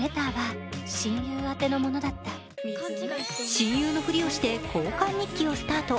親友のふりをして交換日記をスタート。